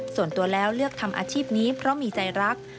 ส่วนตัวแล้วเลือกทำอาชีพนี้เพราะมีใจรัก